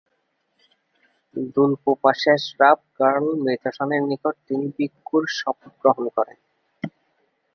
দোল-পো-পা-শেস-রাব-র্গ্যাল-ম্ত্শানের নিকট তিনি ভিক্ষুর শপথ গ্রহণ করেন।